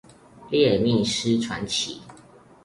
獵命師傳奇